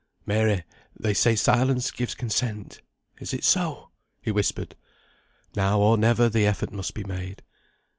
"Mary, they say silence gives consent; is it so?" he whispered. Now or never the effort must be made.